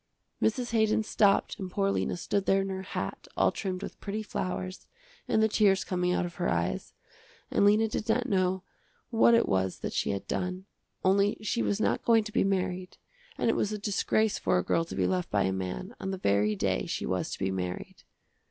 Mrs. Haydon stopped and poor Lena stood there in her hat, all trimmed with pretty flowers, and the tears coming out of her eyes, and Lena did not know what it was that she had done, only she was not going to be married and it was a disgrace for a girl to be left by a man on the very day she was to be married.